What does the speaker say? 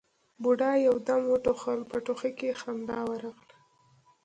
بوډا يو دم وټوخل، په ټوخي کې خندا ورغله: